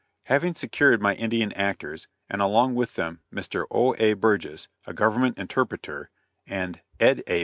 Having secured my Indian actors, and along with them Mr. O. A. Burgess, a government interpreter, and Ed. A.